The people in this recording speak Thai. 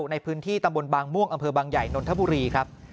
ในพื้นที่ตำบลบางม่วงอำเภอบางใหญ่นนทบุรีครับ